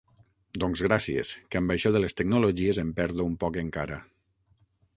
Doncs gràcies, que amb això de les tecnologies em perdo un poc encara.